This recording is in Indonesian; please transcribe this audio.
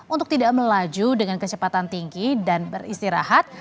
untuk tidak melaju dengan kecepatan tinggi dan beristirahat